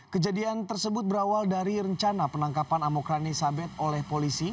kejadian tersebut berawal dari rencana penangkapan amokrani sabeth oleh polisi